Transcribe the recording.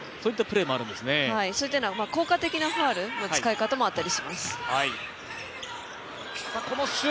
それっていうのは効果的なファウルの使い方もあったりします。